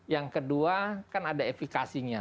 yang kedua kan ada efikasinya